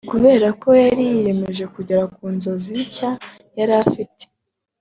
Kubera ko yari yiyemeje kugera ku nzozi nshya yari afite